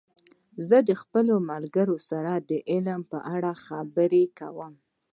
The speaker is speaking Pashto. زه د خپلو ملګرو سره د علم په اړه خبرې کوم.